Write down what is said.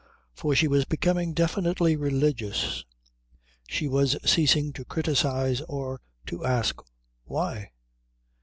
For she was becoming definitely religious; she was ceasing to criticise or to ask Why?